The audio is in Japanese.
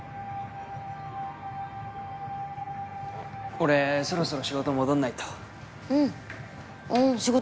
俺そろそろ仕事戻んないとうんえ仕事？